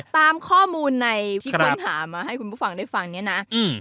ตามข้อมูลในที่คนถามมาให้คุณผู้ฟังได้ฟังเนี่ยนะ